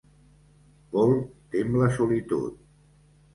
Paul tem la solitud.